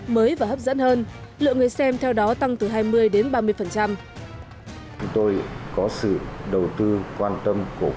mới và hấp dẫn hơn lượng người xem theo đó tăng từ hai mươi đến ba mươi